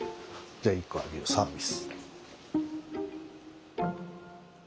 じゃ１個あげようサービス。